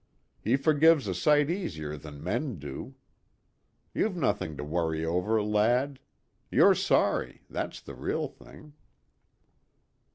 He forgives a sight easier than men do. You've nothing to worry over, lad. You're sorry that's the real thing."